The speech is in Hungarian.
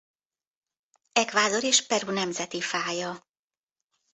Ecuador és Peru nemzeti fája.